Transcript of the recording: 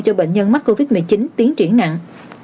cho bệnh nhân mắc covid một mươi chín tiến triển nặng